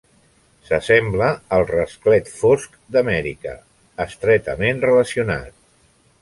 S'assembla al rasclet fosc d'Amèrica estretament relacionat.